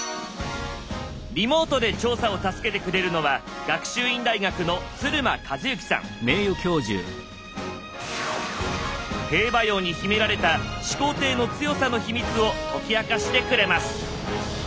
リモートで調査を助けてくれるのは兵馬俑に秘められた始皇帝の強さのヒミツを解き明かしてくれます！